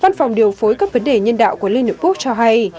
văn phòng điều phối các vấn đề nhân đạo của liên hợp quốc cho hay